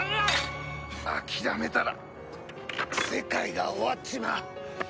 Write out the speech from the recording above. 諦めたら世界が終わっちまう。